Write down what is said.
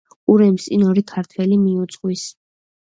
ურემს წინ ორი ქართველი მიუძღვის.